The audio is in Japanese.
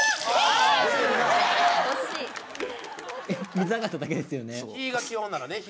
水上がっただけですよね？